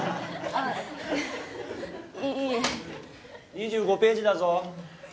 ２５ページだぞ。